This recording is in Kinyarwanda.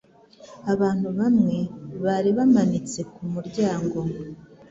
Abantu bamwe bari bamanitse kumuryango.